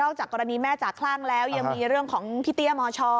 จากกรณีแม่จากคลั่งแล้วยังมีเรื่องของพี่เตี้ยมช